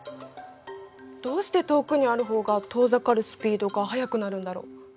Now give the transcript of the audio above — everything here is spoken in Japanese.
どうして遠くにある方が遠ざかるスピードが速くなるんだろう？